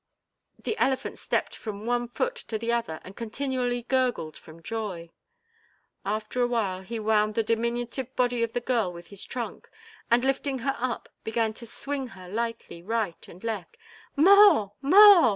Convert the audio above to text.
The elephant stepped from one foot to the other and continually gurgled from joy. After a while he wound the diminutive body of the girl with his trunk and, lifting her up, began to swing her lightly right and left. "More! More!"